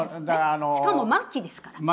しかも末期ですから。